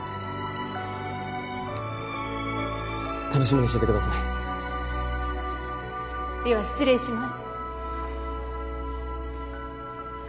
楽しみにしててくださいでは失礼します